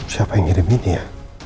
siapa yang kirim ini ya